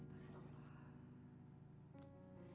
ada apa lagi